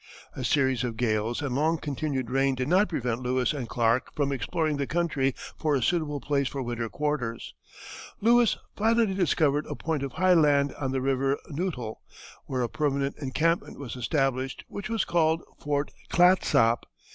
A series of gales and long continued rain did not prevent Lewis and Clark from exploring the country for a suitable place for winter quarters. Lewis finally discovered a point of high land on the river Neutel, where a permanent encampment was established which was called Fort Clatsop.